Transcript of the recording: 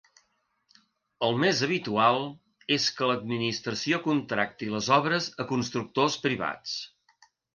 El més habitual és que l'administració contracti les obres a constructors privats.